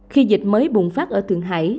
khi dịch mới bùng phát ở thượng hải